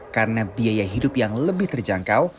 karena biaya hidup yang lebih terjangkau